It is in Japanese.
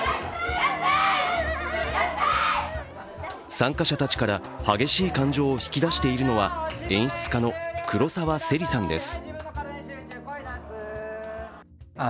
参加者たちから、激しい感情を引き出しているのは演出家の黒沢世莉さんです。